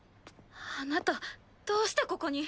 あなたどうしてここに？